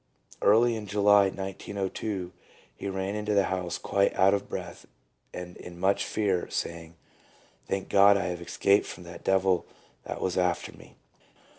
Early in July 1902 he ran into the house quite out ot breath and in much fear, saying, " Thank God, I have escaped from that devil that was after me."